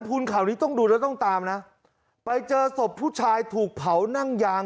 ข่าวนี้ต้องดูแล้วต้องตามนะไปเจอศพผู้ชายถูกเผานั่งยาง